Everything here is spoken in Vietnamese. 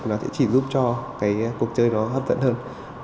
nó sẽ chỉ giúp cho cái cuộc chơi nó hấp dẫn hơn